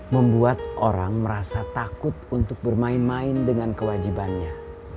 membuat orang merasa takut untuk bermain main dengan kewajibannya